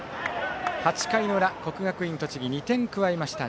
８回の裏、国学院栃木２点加えました。